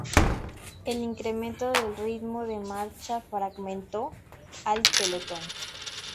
El incremento del ritmo de marcha fragmentó al pelotón.